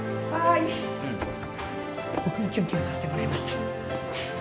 はい僕もキュンキュンさせてもらいました